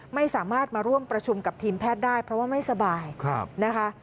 ไม่สามารถมาร่วมประชุมกับทีมแพทย์ได้เพราะว่าไม่สบายนะคะ